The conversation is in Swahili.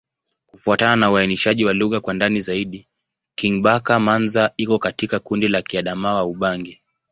Kufuatana na uainishaji wa lugha kwa ndani zaidi, Kingbaka-Manza iko katika kundi la Kiadamawa-Ubangi.